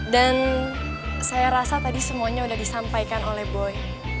dan saya rasa tadi semuanya udah disampaikan oleh boy